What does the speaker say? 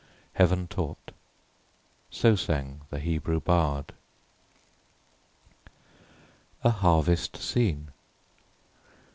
—Heav'n taught, so sang the Hebrew bard. A HARVEST SCENE.